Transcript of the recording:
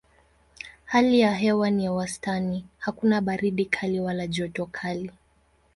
Hali ya hewa ni ya wastani: hakuna baridi kali wala joto kali.